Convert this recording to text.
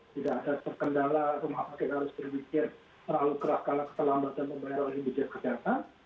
tidak ada terkendala atau maka kita harus berpikir terlalu keras karena kecelamatan pembayaran oleh bpjs kesehatan